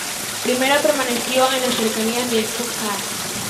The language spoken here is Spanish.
Primero permaneció en las cercanías de Foča.